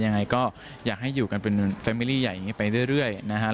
ยังไงก็อยากให้อยู่กันเป็นแฟมิลี่ใหญ่อย่างนี้ไปเรื่อยนะครับ